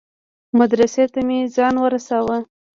مدرسې ته مې ځان ورساوه.